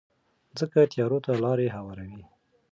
ځکه خو تیارو ته لارې هواروي.